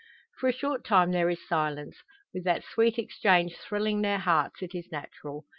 For a short time there is silence. With that sweet exchange thrilling their hearts it is natural.